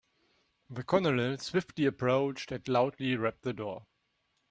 The colonel swiftly approached and loudly rapped the door.